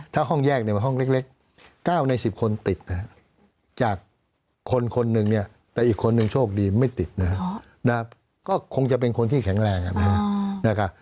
ถ้าห้องแยกเนี่ยเป็นห้องเล็ก๙ใน๑๐คนติดจากคนคนหนึ่งเนี่ยแต่อีกคนนึงโชคดีไม่ติดนะครับก็คงจะเป็นคนที่แข็งแรงนะครับ